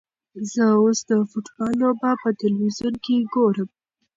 زه اوس د فوټبال لوبه په تلویزیون کې ګورم.